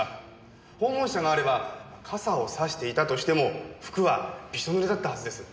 訪問者があれば傘をさしていたとしても服はびしょ濡れだったはずです。